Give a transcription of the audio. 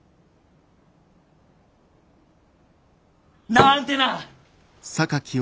なんてな。